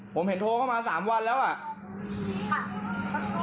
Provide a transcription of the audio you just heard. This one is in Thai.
ผมเห็นโทรเข้ามา๓วันแล้วอ่ะ